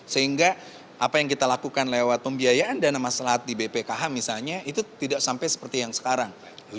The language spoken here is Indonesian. sehingga apa yang kita lakukan lewat pembiayaan dana masalah di bpkh misalnya itu tidak sampai seperti yang sekarang